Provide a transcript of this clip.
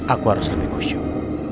aku harus lebih kusyuk